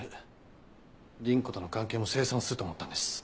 倫子との関係も清算すると思ったんです。